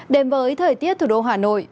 đêm với thời tiết thủ đô hà nội